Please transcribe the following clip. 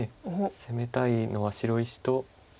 攻めたいのは白石と。